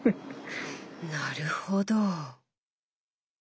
なるほど。